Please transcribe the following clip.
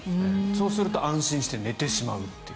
そうすると安心して寝てしまうと。